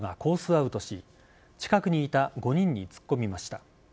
アウトし近くにいた５人に突っ込みました。